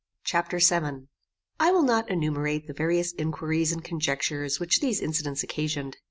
Chapter VII I will not enumerate the various inquiries and conjectures which these incidents occasioned.